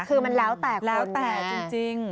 คือมันแล้วแต่แล้วแต่จริง